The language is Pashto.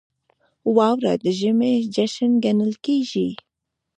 • واوره د ژمي جشن ګڼل کېږي.